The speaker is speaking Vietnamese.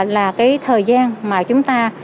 là cái thời gian mà chúng ta